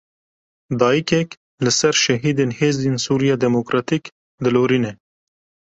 Dayikek li ser şehîdên Hêzên Sûriya Demokratîk dilorîne.